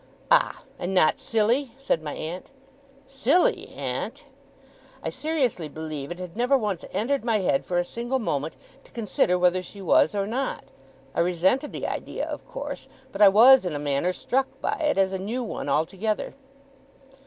'Ah! And not silly?' said my aunt. 'Silly, aunt!' I seriously believe it had never once entered my head for a single moment, to consider whether she was or not. I resented the idea, of course; but I was in a manner struck by it, as a new one altogether.